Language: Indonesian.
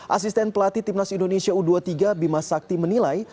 asisten pelatih timnas indonesia u dua puluh tiga bima sakti menilai